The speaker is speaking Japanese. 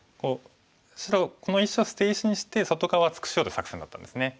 白この石を捨て石にして外側厚くしようとする作戦だったんですね。